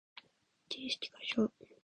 自信過剰